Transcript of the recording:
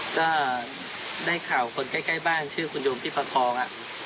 ก็ได้ข่าวคนใกล้บ้านชื่อคุณโยมที่พระทอง